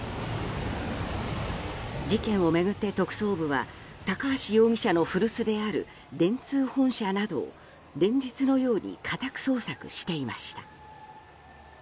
事件を巡って、特捜部は高橋容疑者の古巣である電通本社などを連日のように家宅捜索していました。